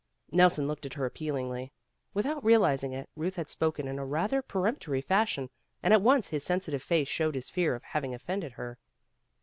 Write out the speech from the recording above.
Nelson looked at her appealingly. Without realizing it, Euth had spoken in a rather peremptory fashion, and at once his sensitive face showed his fear of having offended her.